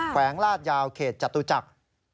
แขวงลาดยาวเขตจตุจักร